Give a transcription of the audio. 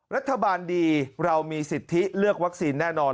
รัฐบาลดีเรามีสิทธิเลือกวัคซีนแน่นอน